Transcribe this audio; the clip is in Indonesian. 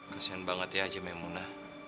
kesian banget ya hajem ya munda